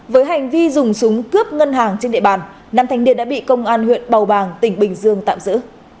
với hành vi dùng súng cướp ngân hàng trên địa bàn nam thanh niên đã bị công an huyện bầu bàng tỉnh bình dương tạm giữ